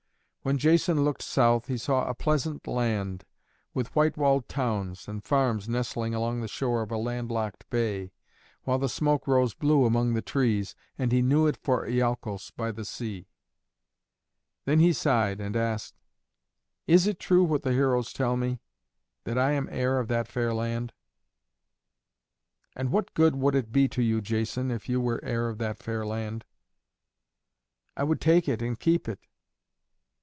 When Jason looked south, he saw a pleasant land, with white walled towns and farms nestling along the shore of a land locked bay, while the smoke rose blue among the trees, and he knew it for Iolcos by the sea. Then he sighed and asked, "Is it true what the heroes tell me that I am heir of that fair land?" "And what good would it be to you, Jason, if you were heir of that fair land?" "I would take it and keep it."